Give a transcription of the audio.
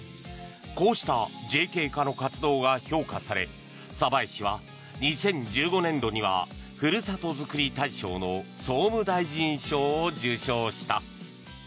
こうしたＪＫ課の活動が評価され鯖江市は２０１５年度にはふるさとづくり大賞の総務大臣賞を受賞した。